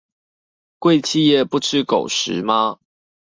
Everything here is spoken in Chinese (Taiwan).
貴企業不吃狗食嗎？